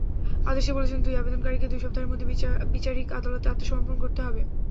আদেশে বলেছেন, দুই আবেদনকারীকে দুই সপ্তাহের মধ্যে বিচারিক আদালতে আত্মসমর্পণ করতে হবে।